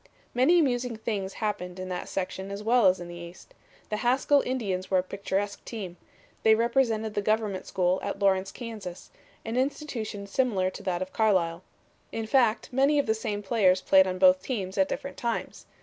"Many amusing things happened in that section as well as in the East. The Haskell Indians were a picturesque team. They represented the Government School at Lawrence, Kansas an institution similar to that of Carlisle. In fact, many of the same players played on both teams at different times.